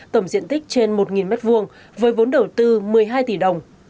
tổng diện tích trên một m hai với vốn đầu tư một mươi hai tỷ đồng